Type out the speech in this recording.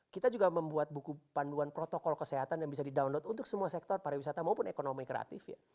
kita juga membuat buku panduan protokol kesehatan yang bisa di download untuk semua sektor pariwisata maupun ekonomi kreatif ya